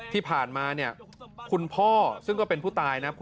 ที่ผ่านมาเนี่ยคุณพ่อซึ่งก็เป็นผู้ตายนะ